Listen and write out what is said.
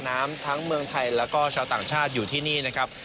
หน่วยซิลและนักประดาน้ำทั้งเมืองไทยและก็ชาวต่างชาติอยู่ที่นี่นะครับ